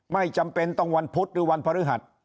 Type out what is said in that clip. ไม่จำเป็นต้องวันพุธหรือวันพฤหัส